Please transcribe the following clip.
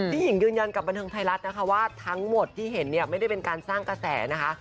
หญิงยืนยันกับบันเทิงไทยรัฐนะคะว่าทั้งหมดที่เห็นเนี่ยไม่ได้เป็นการสร้างกระแสนะคะ